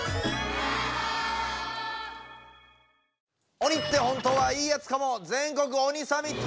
鬼って本当はいいやつかも⁉全国鬼サミット！